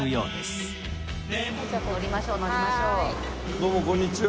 どうもこんにちは。